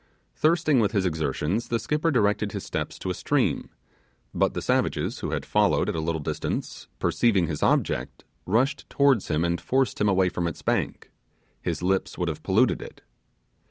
Thirsting with his exertions, the skipper directed his steps to a stream; but the savages, who had followed at a little distance, perceiving his object, rushed towards him and forced him away from its bank his lips would have polluted it.